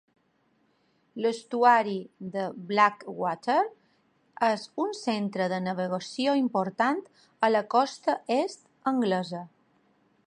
L'estuari de Blackwater és un centre de navegació important a la costa est anglesa.